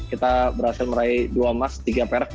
kita berhasil meraih dua emas tiga perak dan satu perunggu